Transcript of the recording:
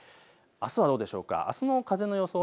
あすはどうでしょうか。